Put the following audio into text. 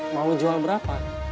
mau jual berapa